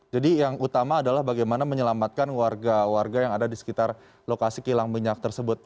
jadi yang utama adalah bagaimana menyelamatkan warga warga yang ada di sekitar lokasi kilang minyak tersebut